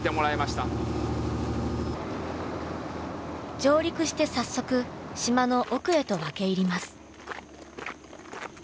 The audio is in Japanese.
上陸して早速島の奥へと分け入ります。